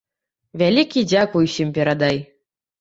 Вялікі дзякуй усім перадай!